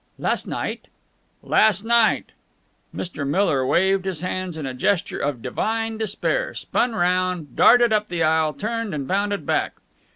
"Last night." "Last night." Mr. Miller waved his hands in a gesture of divine despair, spun round, darted up the aisle, turned, and bounded back.